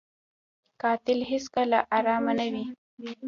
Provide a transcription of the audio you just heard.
قاتل هېڅکله ارامه نه وي